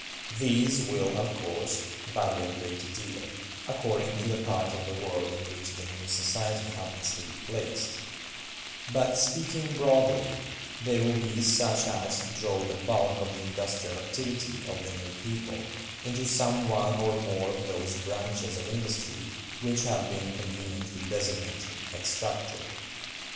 These will, of course, vary a good deal, according to the part of the world in which the new society happens to be placed; but, speaking broadly, they will be such as to draw the bulk of the industrial activity of the new people into some one or more of those branches of industry which have been conveniently designated 'extractive.